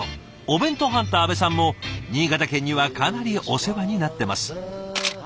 お弁当ハンター阿部さんも新潟県にはかなりお世話になってます。